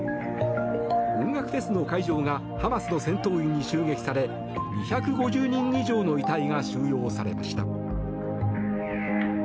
音楽フェスの会場がハマスの戦闘員に襲撃され２５０人以上の遺体が収容されました。